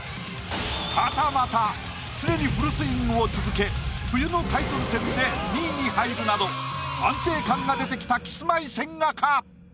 はたまた常にフルスイングを続け冬のタイトル戦で２位に入るなど安定感が出てきたキスマイ千賀か？